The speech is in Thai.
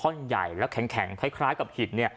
ท่อนใหญ่และแข็งคล้ายกับหิด